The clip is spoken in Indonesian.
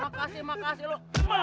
makasih makasih lo